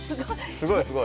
すごいすごい。